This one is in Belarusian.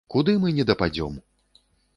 Куды мы не дападзём.